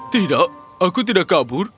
tidak aku tidak kabur